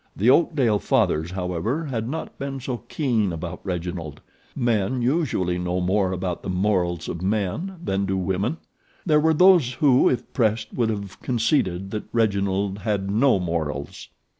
The Oakdale fathers, however, had not been so keen about Reginald. Men usually know more about the morals of men than do women. There were those who, if pressed, would have conceded that Reginald had no morals.